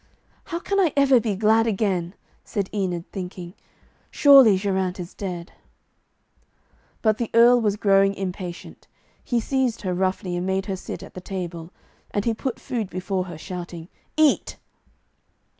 'How can I ever be glad again?' said Enid, thinking, 'Surely Geraint is dead.' But the Earl was growing impatient. He seized her roughly, and made her sit at the table, and he put food before her, shouting, 'Eat.'